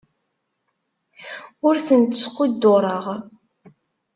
Ur tent-squddureɣ.